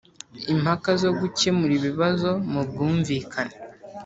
Impaka zo gukemura ibibazo mu bwumvikane